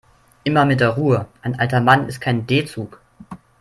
Immer mit der Ruhe, ein alter Mann ist kein D-Zug.